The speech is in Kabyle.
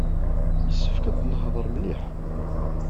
Yessefk ad nḥader mliḥ.